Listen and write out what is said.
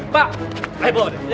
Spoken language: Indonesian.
pak ayo belok dia